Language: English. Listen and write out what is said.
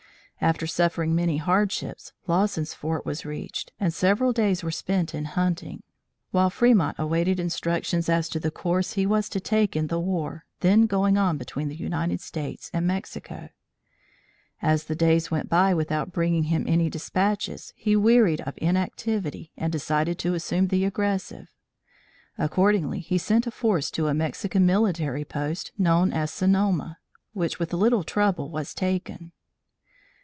After suffering many hardships, Lawson's Fort was reached and several days were spent in hunting, while Fremont awaited instructions as to the course he was to take in the war then going on between the United States and Mexico. As the days went by without bringing him any despatches, he wearied of inactivity and decided to assume the aggressive. Accordingly he sent a force to a Mexican military post known as Sonoma, which with little trouble was taken.